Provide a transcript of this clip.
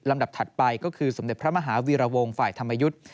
ดับถัดไปก็คือสมเด็จพระมหาวีรวงศ์ฝ่ายธรรมยุทธ์